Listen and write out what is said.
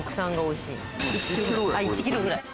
１ｋｇぐらい？